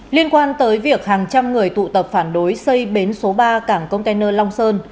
liên quan tới việc hàng trăm người tụ tập phản đối xây bến số ba cảng container long sơn